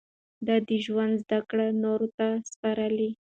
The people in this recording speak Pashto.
ده د ژوند زده کړې نورو ته سپارلې.